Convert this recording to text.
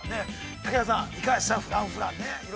武田さん、いかがでした？